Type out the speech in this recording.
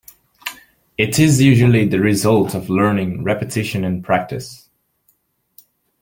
It is usually the result of learning, repetition, and practice.